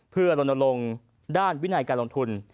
เพื่อลนลงด้านวินัยการลงทุน